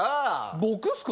僕っすか？